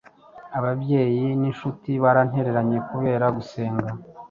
ababyeyi n’ inshuti barantereranye kubera gusenga